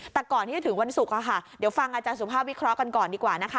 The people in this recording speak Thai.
แต่ก่อนที่จะถึงวันศุกร์เดี๋ยวฟังอาจารย์สุภาพวิเคราะห์กันก่อนดีกว่านะคะ